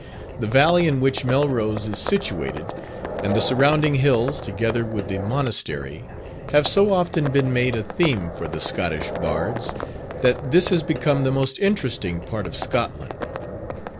The valley in which Melrose is situated, and the surrounding hills, together with the Monastery, have so often been made a theme for the Scottish bards, that this has become the most interesting part of Scotland.